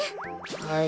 はい。